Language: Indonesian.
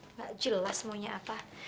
nggak jelas maunya apa